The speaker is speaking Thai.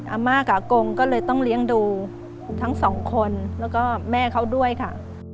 อาม่ากับอากงก็เลยต้องเลี้ยงดูทั้งสองคนแล้วก็แม่เขาด้วยค่ะ